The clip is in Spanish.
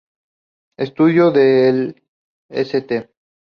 Estudió en el St.